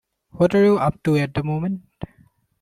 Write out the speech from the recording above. What are you up to at the moment?